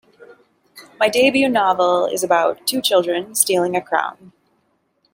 My debut novel is about two children stealing a crown.